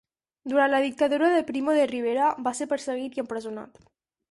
Durant la dictadura de Primo de Rivera va ser perseguit i empresonat.